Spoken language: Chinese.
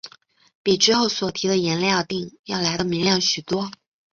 比之后所提的颜料靛要来得明亮许多。